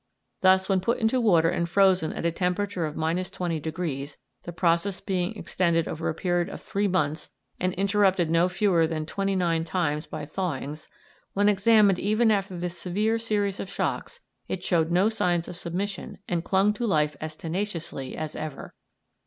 Thus when put into water and frozen at a temperature of 20° C., the process being extended over a period of three months and interrupted no fewer than twenty nine times by thawings, when examined even after this severe series of shocks, it showed no signs of submission and clung to life as tenaciously as ever.